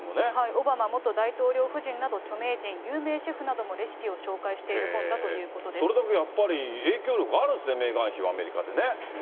オバマ元大統領夫人など、著名人、有名シェフなどもレシピを紹介している本だということでそれだけやっぱり影響力あるんですね、メーガン妃はアメリカでね。